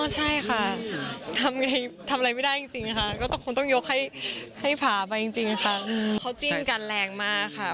ใช่ค่ะทำอะไรไม่ได้จริงค่ะก็คงต้องยกให้ผ่าไปจริงค่ะเขาจิ้นกันแรงมากค่ะ